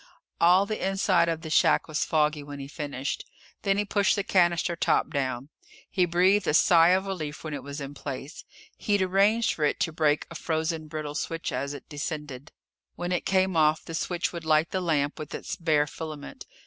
All the inside of the shack was foggy when he finished. Then he pushed the cannister top down. He breathed a sigh of relief when it was in place. He'd arranged for it to break a frozen brittle switch as it descended. When it came off, the switch would light the lamp with its bare filament.